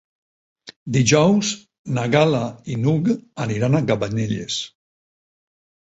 Dijous na Gal·la i n'Hug aniran a Cabanelles.